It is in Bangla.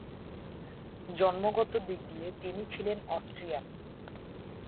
জন্মগত দিক দিয়ে তিনি ছিলেন অস্ট্রিয়ান।